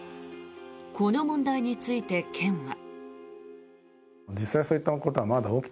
この問題について、県は。